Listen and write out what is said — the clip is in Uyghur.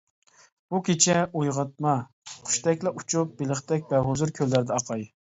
بۇ كېچە ئويغاتما، قۇشتەكلا ئۇچۇپ، بېلىقتەك بەھۇزۇر كۆللەردە ئاقاي.